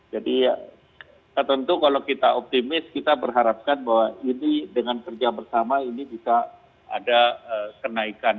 jadi tentu kalau kita optimis kita berharapkan bahwa ini dengan kerja bersama ini bisa ada kenaikan